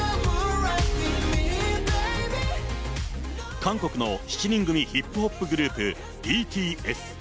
韓国の７人組ヒップホップグループ、ＢＴＳ。